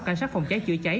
cảnh sát phòng cháy chữa cháy